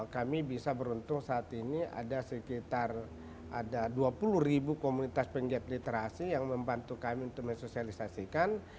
kami bisa beruntung saat ini ada sekitar ada dua puluh ribu komunitas penggiat literasi yang membantu kami untuk mensosialisasikan